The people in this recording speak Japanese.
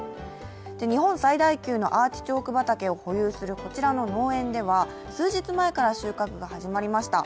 日本最大級のアーティチョーク畑を保有するこちらの農園では数日前から収穫が始まりました。